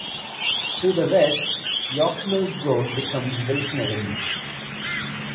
To the west, York Mills Road becomes Wilson Avenue.